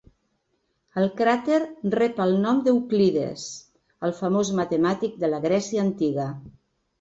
El cràter rep el nom d'Euclides, el famós matemàtic de la Grècia antiga.